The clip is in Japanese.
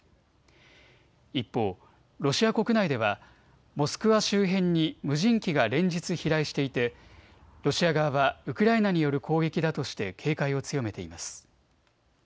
一方、ロシア国内ではモスクワ周辺に無人機が連日、飛来していてロシア側はウクライナによる攻撃だとして警戒を強めています。